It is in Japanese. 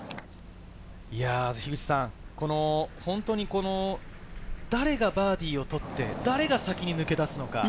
この本当に誰がバーディーをとって誰が先に抜け出すのか。